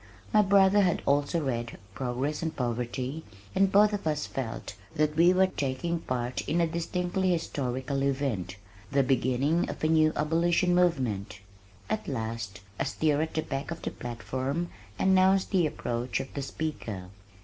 My brother had also read Progress and Poverty and both of us felt that we were taking part in a distinctly historical event, the beginning of a new abolition movement. At last, a stir at the back of the platform announced the approach of the speaker.